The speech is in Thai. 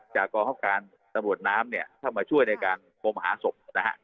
กองคับการตำรวจน้ำเนี่ยเข้ามาช่วยในการงมหาศพนะฮะ